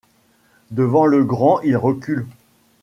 Devant le grand il recule.